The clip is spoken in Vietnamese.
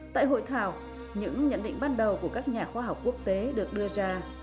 tại hội thảo những nhận định ban đầu của các nhà khoa học quốc tế được đưa ra